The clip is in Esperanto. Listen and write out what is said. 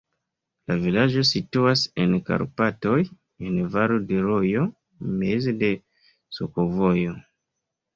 La vilaĝo situas en Karpatoj, en valo de rojo, meze de sakovojo.